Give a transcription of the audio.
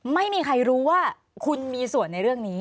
ไม่มีใครรู้ว่าคุณมีส่วนในเรื่องนี้